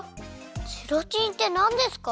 ゼラチンってなんですか？